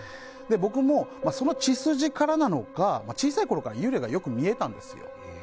僕も、その血筋からなのか小さいころから幽霊がよく見えたんですよ。